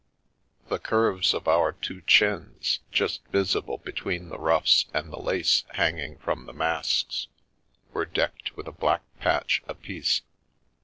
The curves of our two chins — just visible between the ruffs and the lace hanging from the masks — were decked with a black patch apiece.